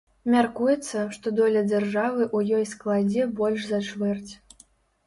Мяркуецца, што доля дзяржавы ў ёй складзе больш за чвэрць.